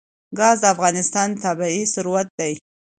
ګاز د افغانستان طبعي ثروت دی.